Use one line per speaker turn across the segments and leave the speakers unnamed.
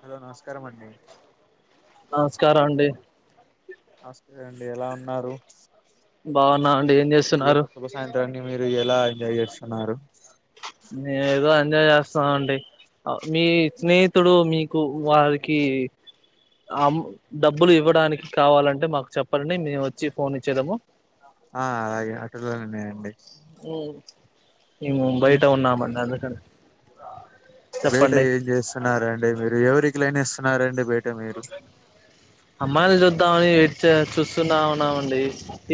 Hello! నమస్కారం అండి.
నమస్కారం అండి.
నమస్తే అండి ఎలా ఉన్నారు?
బావున్నా అండి ఏం
ఈ
చేస్తున్నారు
యొక్క శుభ సాయంత్రాన్ని మీరు ఎలా ఎంజాయ్ చేస్తున్నారు
మేం ఏదో ఎంజాయ్ చేస్తున్నాం అండి అ మీ స్నేహితుడు మీకు వారికి అమ్ డబ్బులు ఇవ్వడానికి కావాలంటే మాకు చెప్పండి మేము వచ్చి ఫోన్ ఇచ్చేదము
ఆ అలాగే అటులనే అండి
ఉమ్ మేము బయట ఉన్నామండి అందుకనె
బయట ఏం చేస్తున్నారండి మీరు ఎవరికి లైన్ ఏస్తున్నారండి బయట మీరు
అమ్మాయిలు చూద్దామని వెయిట్చె చూస్తున్నా ఉన్నామండి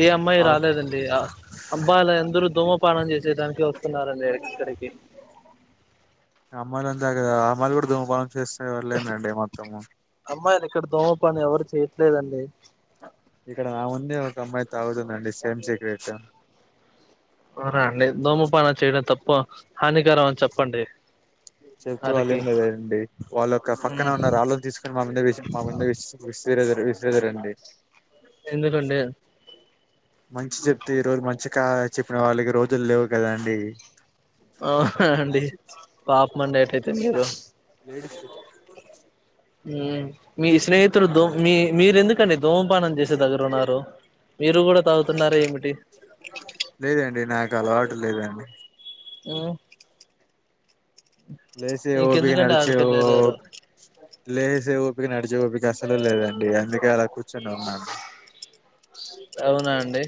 ఏ అమ్మాయి
వాళ్ళ
రాలేదండి ఆ అబ్బాయిలయందరూ ధూమపానం చేసేటానికి వస్తున్నారండి ఇక్కడికి
అమ్మాయిలు అంత అదేకదా అమ్మాయిలు కూడా ధూమపనం చేస్తేవల్లేనండి మొత్తము
అమ్మాయిలు ఇక్కడ దోమపానం ఎవరు చేయట్లేదండి
ఇక్కడ నా ముందే ఒక అమ్మాయి తాగుతుందండి సేమ్ సీగ్రేట్
అవునా అండి దూమపానం చేయడం తప్పు హానికరం అని చెప్పండి
చెప్తే
వారికి
వాళ్ళేం లేదండి వాళ్ళొ ఒక
మ్మ్
పక్కన ఉన్నారు ఆళ్లది తీసుకొని మా ముందే వేసిండ్ మా ముందే వేష్ విసిరెదరు విసిరెదరండి
ఎందుకండి
మంచి చెప్తే ఈ రోజు మంచి కా చెప్పిన వాళ్ళకి రోజులు ల్లేవు కదండి
ఆవునా అండి పాపమండి అట్లైతే మీరు
లేడీస్ కి
ఉమ్ మీ స్నేహితులు దూ మీ మీరెందుకండి ధూమపానం చేసే దగ్గర ఉన్నారు మీరు కూడా తాగుతున్నార ఏమిటి
లేదండి నాకు అలవాటు లేదండి
ఉమ్
లేేసే ఓపిక నడిచే
ఆడికెళ్ళారు
ఓపిక్ లేసే ఓపిక నడిచే ఓపిక అస్సలు లేదండి అందుకే అలా కుచ్ చొనున్నాను
అవునా అండి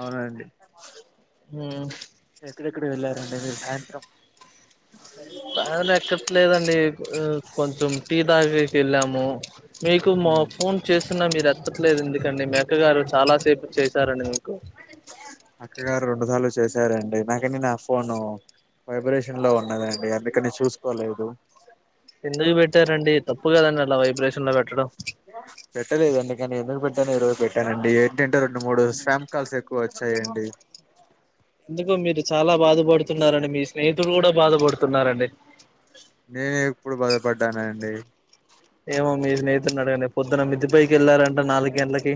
అవునండి
హ్మ్
ఎక్కడెక్కడకి వెళ్ళారండి మీరు సాయంత్రం
[unintelligible] ఎక్కట్లేదండి కొంచం టీ దాగేకి ఎళ్ళాము మీకు మా ఫోన్ చేస్తున్నా మీరు ఎత్తట్లేదు ఎందుకండి మీ అక్క గారు చాలాసేపు చేశారండి మీకు
అక్కగారు రెండు సార్లు చేసారండి నాకేమో నా ఫోను వైబ్రేషన్ లో ఉన్నదండి అందుకనె చూసుకోలేదు
ఎందుకు పెట్టారండి తప్పు కదండి అలా వైబ్రేషన్ లో పెట్టడం
పెట్టలేదండి కనీ ఎందుకు పెట్టానో ఈ రోజు పెట్టానండి ఏంటంటే రెండు మూడు స్పామ్ కాల్స్ ఎక్కువచ్ చేయండి
ఎందుకొ మీరు చాలా బాధపడుతున్నారని మీ స్నేహితులు కూడా బాధపడుతున్నారండి
నేనెప్పుడు బాధపడ్డానండి
ఏమో మీ స్నేహితున్నడగండి పొద్దున్న మిద్దె పైకెళ్ళారంట నాలుగు గంటలకి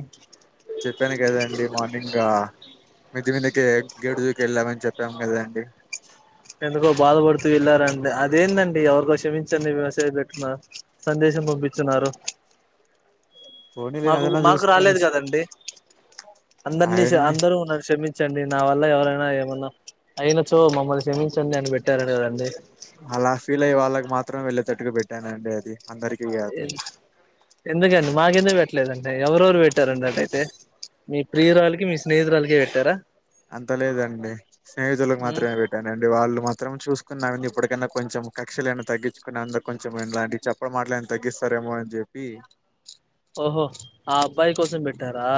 చెప్పాను కదండి మార్నింగ్ మిద్దెమీదకి గేట్ దూకి ఎళ్ళామని చెప్పాం కదండి
ఎందుకో బాధపడుతూ ఎళ్ళరండి అదేందండి ఎవరికో క్షమించండి మెసేజ్ పెట్టినా సందేశం పంపిచ్చున్నారు
పోనీలే
మాకు
ఏదైనా
మాకు
చూసుకొని
రాలేదు కదండి అందరినీ ష
అయన్ని
అందరూ నన్ను క్షమించ్ చ్చండి నా వల్ల ఎవరైనా ఏమన్నా అయిన చో మమ్మల్ని క్షమించండి అని పెట్టారన కదండి.
అలా ఫీల్ అయ్యే వాళ్ళకి మాత్రమే వెళ్ళేటట్టుగా పెట్టానండి అది అందరికి. కాదు
ఏం. ఎందుకండి మాకెందుకు పెట్టలేదండి ఎవరెవరు పెట్టారున్నట్టయితే మీ ప్రియురాలకి మీ స్నేహితురాలకి.
అంత లేదండి స్నేహితులకు మాత్రమే పెట్. వినండి వాళ్ళు మాత్రం చూసుకున్నా అండి ఇప్పటికైన్నా కొంచెం కక్షలు ఏనా తగ్గించుకుని అందరు కొంచెం ఇలాంటి చెప్. అప్పుడు మాట్లాడిని తగ్గిస్తారేమో అని చెప్పి.
ఓహో. ఆ అబ్బాయి కోసం పెట్టారా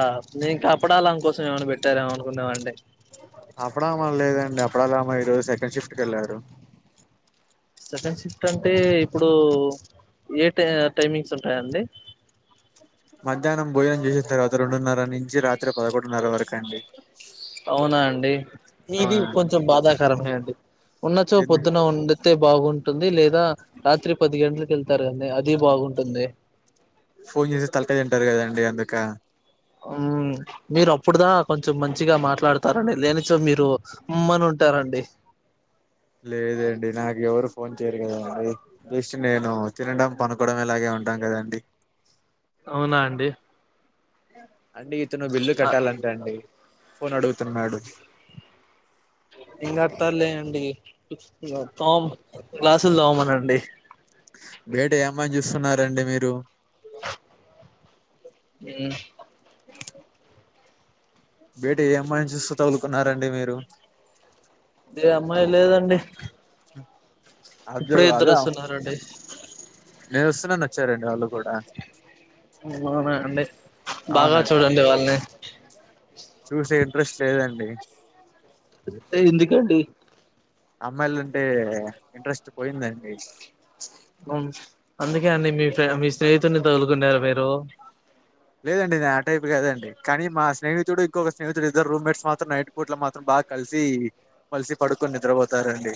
నేను కపడాలని కోసం ఏమైనా పెట్టారేమో అనుకున్నామండి.
అప్పడ అమ లేదండి అప్పడల అమా ఈరోజు సెకండ్ షిఫ్ట్కెలరు.
సెకండ్ షిఫ్ట్ అంటే ఇప్పుడు ఏ టై టైమింగ్స్ ఉంటాయండి.
మధ్యాహ్నం భోజనం చేసిన తర్వాత రెండున్నర నుంచి రాత్రి పదకొండున్నర వరకు అండి.
అవునా అండి ఇది
అవునండి
కొంచెం బాధాకరమే అండి ఉన్నచో పొద్దున ఉండ్. తె బాగుంటుంది లేదా రాత్రి పది గంటలకి వెళ్తారండి అది బాగుంటుంది.
ఫోన్ చేసి తలకయి తింటారు కదండి అందుక.
అమ్. మీరు అప్పుడుదా కొంచెం మంచిగా మాట్లాడతారండి లేనిచో మీరు ఉమ్మ్మని ఉంటారండి.
లేదండి నాకు ఎవరు ఫోన్ చేయరు కదాండి. బేస్ట్ నేను తినడం పనుకోవడం ఎలాగే ఉంటాం కదండి.
అవునా అండి.
అండి ఇతను బిల్లు కట్టాలంట అండి ఫోన్ అడుగుతున్నాడు.
ఇంకా అతారులేండి తోమ్ గ్లసులు తోమమానండి.
బయట ఏం పని చేస్తున్నారండి మీరు.
ఉమ్
బయట ఏ అమ్మాయిని చూస్తు తగులుకున్నారండి మీరు.
ఎ అమ్మాయి లేదండి.
అగ్
ఇప్పుడే ఇద్దరు
అదా.
వస్తున్నారండి
నేను వస్తున్నా అని వచ్చారండి వాళ్ళు కూడా.
అవునా అండి బాగా
అవునండి
చూడండి వాళ్ళని.
చూసే ఇంట్రెస్ట్ లేదండి.
ఎ ఎందుకండి.
అమ్మాయిలు అంటే ఇంట్రెస్ట్ పోయిందండి.
ఉమ్ అందుకే అండి మీ ఫామ్ మీ స్నేహితుని తగులుకున్నారు మీరు.
లేదండి నేను ఆ టైప్ కదండి కానీ మా స్నేహితుడు ఇంకొక స్నేహితుడు ఇద్దరు రూమ్మేట్స్ మాత్రం నైట్. పూట్ల మాత్రం బాగా కలిసి మలిసి పడుకొని నిద్రపోతారండి.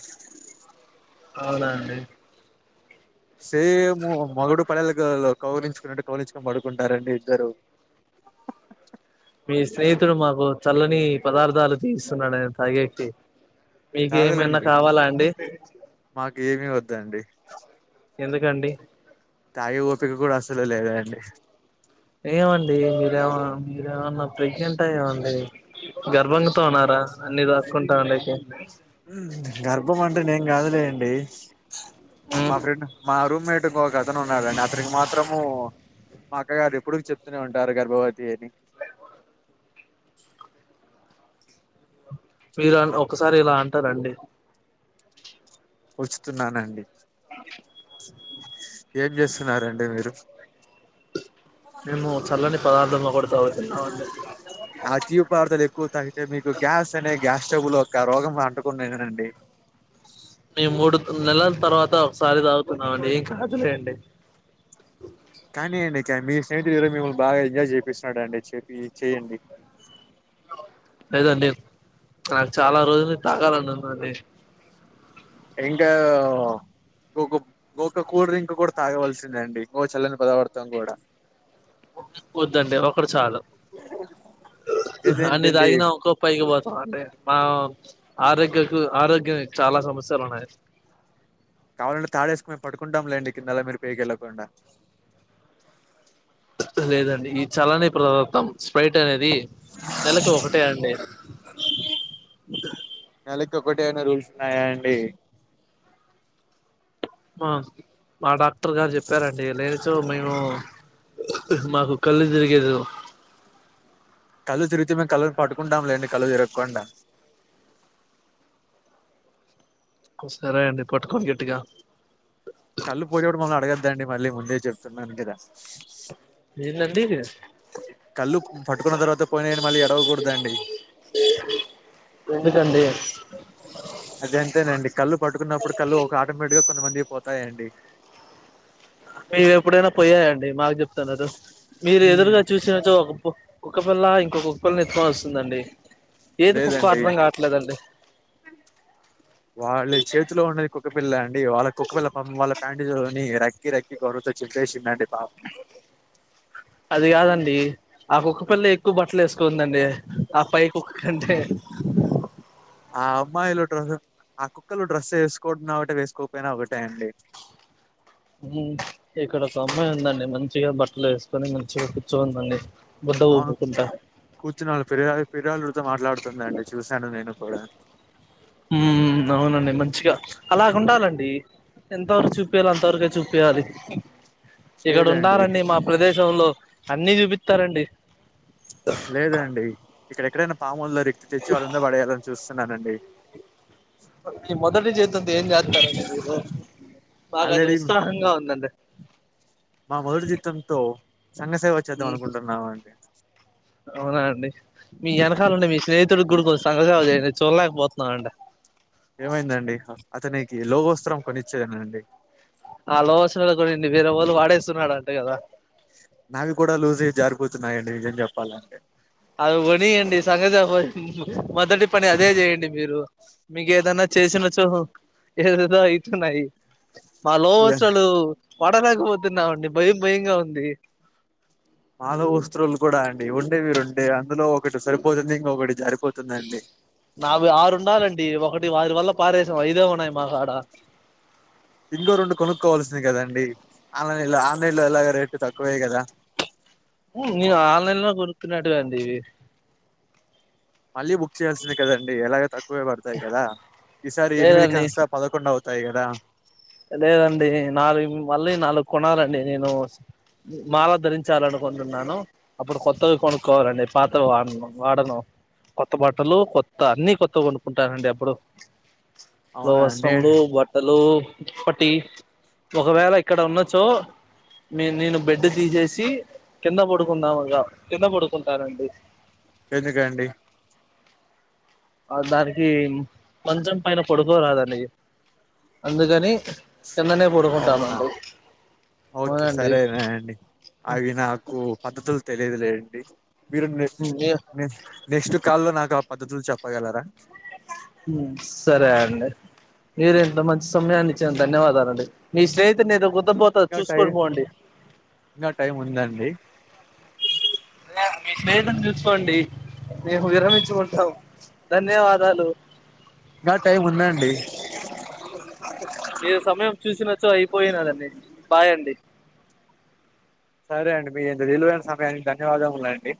అవునా అండి.
సేము మోగుడు పెళ్లలు క్ కౌలించుకున్నట్టు కౌలించుకొని పడుకుంటారండి ఇద్దరు.
మీ స్నేహితుడు మాకు చల్లని పదార్థాలు తీస్తున్నాడు నేను తాగేకి. మీకు ఏమన్నా
తాగలండి
కావాలా అండి.
మాకు ఏమీ వద్దండి
ఎందుకండి.
తాగే ఓపిక కూడా అసలు లేదాండి.
ఏమండి మీరేమ మీరేమన్నా ప్రెగ్నెంటా ఏమండి. గర్భంగాతో ఉన్నారా అన్ని దాక్కుంటా ఉన్నేకి.
గర్భం అంటే నేను కాదులెండి
మ్
మా ఫ్రెండ్. మా రూమ్మేట్కో ఒక అతను ఉన్నాడండి అతనికి మాత్రము మా అక్కగారు ఎప్పుడు చెప్తూనే ఉంటారు గర్భవతి అని
మీరన్ ఒకసారి ఇలా అంటారండి
వచ్చుతున్నానండి
[inaudible]
ఏం చేస్తున్నరండి మీరు
మేము చల్లని పదార్థంగా ఒకటి తావుతున్నామండి
ఆ తీవ పదార్థాలు ఎక్కువ తాగితే మీకు గ్యాస్ అనే గ్యాస్ట్రబుల్ యొక్క రోగం అంటుకునేదండి
మీ మూడు నెలల తర్వాత ఒకసారి తాగుతున్నామండి ఏం కాదులేండి
కానీయండి ఇ మీ స్నేహితుడు మిమల్ని బాగా ఎంజయ్ ఉన్నాడండి చెప్పి చేయండి
లేదండి నాకు చాలా రోజులనుండి తాగాలనుదండి
డ్రింకా గ గక్క కూల్ డ్రింక్ కూడా తాగవలసిందండి గోచల్లని పదార్థం కూడా
వద్దండి ఒకటి చాలు అన్ని
ఇదేంటండి
తాగినా ఒక పైకి పోతాం అండి మా ఆరోగ్యకు ఆరోగ్యం చాలా సమస్యలు ఉన్నాయి
కావాలంటే తాడేసుకొని మే పడుకుంటాంలేండి కిందొల్లు మీరు పేకి వెళ్ళకుండా
లేదండి ఈ చల్లని పదార్థం స్పైట్ అనేది నెలకి ఒకటే అండి
నలకికోకటటెనీ ఏమనా రూల్స్న్నాయా అండి
మ మా డాక్టర్ గారు చెప్పారండి లేనిచో మేము మాకు కళ్ళు తిరిగేదు
కళ్ళ తిరుగితే మేము కళ్ళలు పట్టుకుంటాం లేండి కళ్ళ తిరగకుండా
కోస్తారా ఏంది పట్టుకోని గట్టిగా
కళ్ళు పోయిన కూడా మమ్మల్ని అడగద్దండి మళ్ళీ ముందే చెప్తున్నాను కదా
లేదండి
కళ్ళు పట్టుకున్న తర్వాత పోయినాయని మళ్ళీ ఎడవకూడదండి
ఎంటిదండీ
అద అంతేనండి కళ్ళు పట్టుకున్నప్పుడు కళ్ళు ఒక ఆటోమేటిక్గా కొంతమందివి పోతాయండి
మీవి ఎప్పుడైనా పోయాయండి మాకు చెప్తున్నారు మీరు ఎదురుగా చూసి చిజు ఒక ఒక పల్ల ఇంకొకొక్క పిల్లని వెతుక్కోవల్సిందేనండి ఏది కుక్కో అర్ధం కాట్లేదండి
వాళ్ళు చేతిలో ఉన్నది కుక్కపిల్ల అండి వాళ్ళ కుక్కపిల్ల పాపం వాళ్ళ లాంటిది కొని రక్కి రక్కి గొరుతో చిపేసిందండి పా
అది కాదండి ఆ కుక్క పిల్ల ఎక్కువ బట్టలు వేసుకోందండి ఆ పై కుక్క కంటే
ఆ అమ్మాయిలు డ్రస్ ఆ కుక్కలు డ్రెస్ వేసుకో ఒకటె వేసుకోకపోయినా ఒకటేనండి
ఇక్కడ ఒకమ్మాయి ఉందండి మంచిగ బట్టలు వేసుకొని మంచిగ కూర్చోనీ ఉందండి బుడ్డు ఊప్కుంటా
కూర్చు వాళ్ళియా ఫిర్యాళ్తో మాట్లాడుతుందండి చూశాను నేను కూడా
హూ అవునండి మంచిగా అలాగ ఉండాలండి ఎంతవరకు చూపియ్యాలో అంతవరకే చూపియ్యాలి ఇక్కడ
లేదండి
ఉన్నారండి మా ప్రదేశంలో అన్ని చూపిస్తారండి
లేదండి ఇక్కడెక్కడైనా పాముల్లో రిక్తి తెచ్చి వాళ్ళ ముంద పడేయాలని చూస్తున్నానండి
ఈ మొదటి జీతంతో అంత ఏం జాస్తరండి మీరు బాగా అది
ఆల్రెడీ
ఉత్సాహంగ ఉందండి
మా మొదటి జీతంతో సంగ సేవ
ఊహు అవునా అండి మీ వెనకాలండి మీ స్నేహితుడికి గుడికి వస్తున్నాడు కదా చూడలేకపోతున్నా అండి
ఏమైందండి అతనికి లోగోస్త్రం కొనిచ్చేదేనండి
ఆ లో వస్త్రాలూ కొనండి వేరే వాళ్ళు వాడేస్తున్నాడు అంటే కదా
నావి కూడా లూజు అయి జారిపోతున్నాయండి నిజం చెప్పాలంటే
అది కొనియండి సంగ మొదటి పని అదే చేయండి మీరు మీకు ఏదన్నా చేసిన చో ఏదదో అయితున్నాయి మా లోవస్రాలు పడలేకపోతున్నామండి భయం భయంగా ఉంది
మా లోవస్త్రాలు కూడా అండి ఉండేవి రెండే అందులో ఒకటి సరిపోతుంది ఇంకొకటి జారిపోతుందండి
నావి ఆరు ఉండాలిండి ఒకటి వారి వల్ల పారేశాం ఐదే ఉన్నాయి మాకాడ
ఇంగో రెండు కొనుక్కోవాల్సింది కదండి ఆన్లైన్ లో ఆన్లైన్ లో ఎలాగొ రేట్ తక్కువే కదా
నేను ఆన్లైన్ లో కొనుక్కునేట్టు అండి
మళ్ళీ బుక్ చేయాల్సిందే కదండి ఎలాగ తక్కువే పడతాయి కదా ఈసారి ఎనిమిది
లేదండి
కాస్త పదకొండు అవుతాయి గదా
లేదండి నాలుగు మళ్ళీ నాలుగు కొనాలండి నేను మాల ధరించాలనుకుంటున్నాను అప్పుడు కొత్తవి కొనుక్కోవాలండి పాతవి వాడను వాడను కొత్త బట్టలు కొత్త అన్ని కొత్త కొనుకుంటానండి అప్పుడు లో
అవునా అండి
వస్త్రములు బట్టలు దుప్పటి ఒకవేళ ఇక్కడ ఉన్నచో మీ నేను బెడ్ తీసేసి కింద పడుకుందాంగా కింద పడుకుంటానండి
ఎందుకండి
దానికి మంచం పైన పడుక్కోరాదండి అందుకని కిందనే
అవునా
పడుకుంటామండి
ఓకే
అవునండి
సరేనండి అవి నాకు పద్ధతులు తెలియదులేండి మిర్ మిర్ మిర్ నెక్స్ట్ కాల్లో నాకు ఆ పద్ధతులు చెప్పగలరా
సరే అండి మీరు ఇంత మంచి సమయాన్ని ఇచ్చారు ధన్యవాదాలుండి మీ స్నేహితుని ఏదో కొద్ద
ఇంకా టైం ఇంకా టైం ఉందండి
మీ స్నేహితుడ్ని చూసుకోండి మేము విరమించుకుంటాం ధన్యవాదాలు
నా టైం ఉందండి
ఏ సమయం చూసినచో అయిపోయినాదండి బాయండి
సరే అండి మీరు విలువైన సమయానికి ధన్యవాదములు అండి